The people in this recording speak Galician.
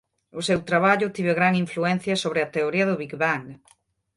O seu traballo tivo gran influencia sobre a teoría do Big Bang.